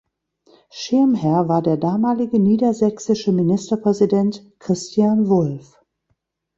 Schirmherr war der damalige Niedersächsische Ministerpräsident Christian Wulff.